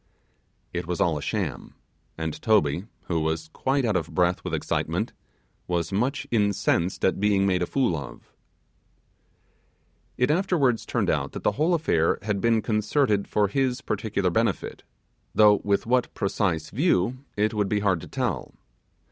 It was all a sham, and Toby, who was quite out of breath with excitement, was much incensed at being made a fool of. It afterwards turned out that the whole affair had been concerted for his particular benefit, though with what precise view it would be hard to tell.